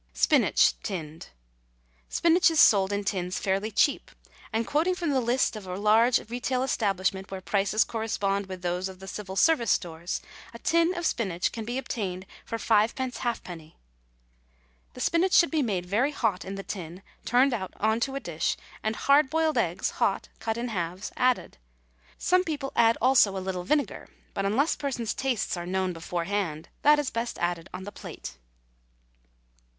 SPINACH, TINNED. Spinach is sold in tins fairly cheap, and, quoting from the list of a large retail establishment where prices correspond with those of the Civil Service Stores, a tin of spinach can be obtained for fivepence halfpenny. The spinach should be made very hot in the tin, turned out on to a dish, and hard boiled eggs, hot, cut in halves, added. Some people add also a little vinegar, but, unless persons' tastes are known beforehand, that is best added on the plate.